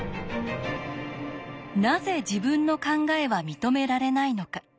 なぜ自分の考えは認められないのか。